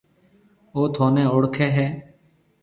او ٿُونَي اوݪکيَ هيَ۔